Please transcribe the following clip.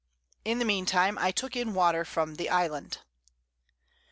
In the mean time I took in Water from the Island.